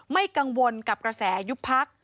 ไม่กังวลกับกระแสยุบพัก